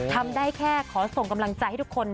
ทำได้แค่ขอส่งกำลังใจให้ทุกคน